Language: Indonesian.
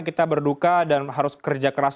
kita berduka dan harus kerja keras